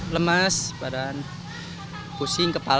lemas badan pusing kepala